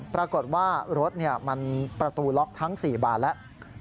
ปรากฏว่ารถมันประตูล็อกทั้ง๔บานแล้ว